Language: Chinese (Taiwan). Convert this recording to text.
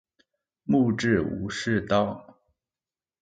木製武士刀